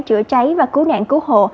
chữa cháy và cứu nạn cứu hộ